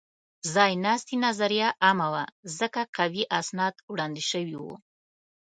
ځایناستې نظریه عامه وه؛ ځکه قوي اسناد وړاندې شوي وو.